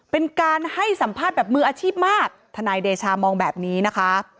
เป็นการให้สัมภาษณ์แบบมืออาชีพมากทนายเดชามองแบบนี้นะคะ